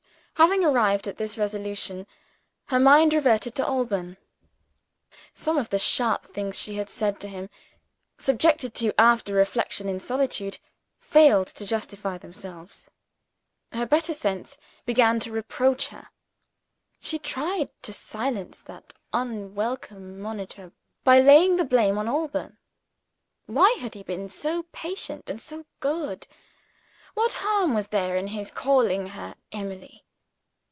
Having arrived at this resolution, her mind reverted to Alban. Some of the sharp things she had said to him, subjected to after reflection in solitude, failed to justify themselves. Her better sense began to reproach her. She tried to silence that unwelcome monitor by laying the blame on Alban. Why had he been so patient and so good? What harm was there in his calling her "Emily"?